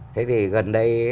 thế thì gần đây